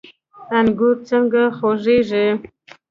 انګور څنګه خوږیږي؟